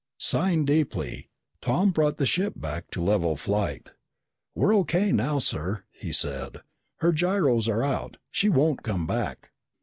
Sighing deeply, Tom brought the ship back to level flight. "We're O.K. now, sir," he said. "Her gyros are out. She won't come back."